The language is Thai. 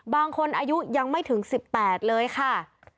บางคนอายุยังไม่ถึง๑๘เลยค่ะ